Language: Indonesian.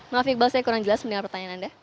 maaf iqbal saya kurang jelas mendengar pertanyaan anda